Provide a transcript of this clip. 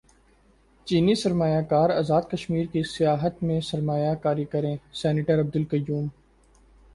چینی سرمایہ کار ازاد کشمیر کی سیاحت میں سرمایہ کاری کریں سینیٹر عبدالقیوم